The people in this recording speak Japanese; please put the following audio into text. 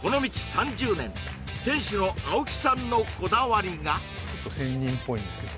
３０年店主の青木さんのこだわりがちょっと仙人っぽいんですけど